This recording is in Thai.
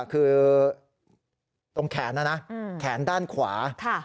คือตรงแขนนะนะแขนด้านขวา